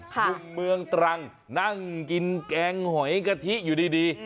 มุมเมืองตรังนั่งกินแกงหอยกะทิอยู่ดี